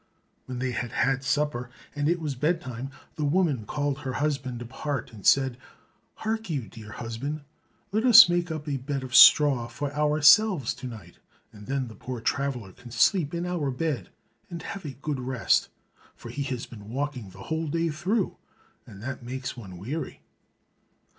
When they had had supper and it was bed time, the woman called her husband apart and said, "Hark you, dear husband, let us make up a bed of straw for ourselves to night, and then the poor traveler can sleep in our bed and have a good rest, for he has been walking the whole day through, and that makes one weary."